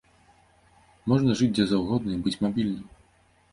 Можна жыць дзе заўгодна і быць мабільнымі.